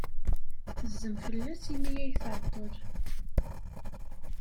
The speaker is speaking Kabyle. Tezzem fell-as imi ay tɛeḍḍel.